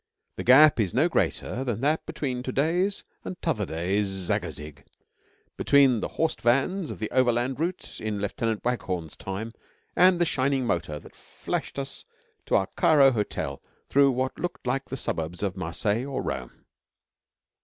The gap is no greater than that between to day's and t'other day's Zagazig between the horsed vans of the Overland Route in Lieutenant Waghorn's time and the shining motor that flashed us to our Cairo hotel through what looked like the suburbs of Marseilles or Rome.